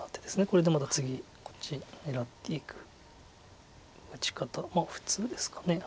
これでまた次こっち狙っていく打ち方が普通ですか。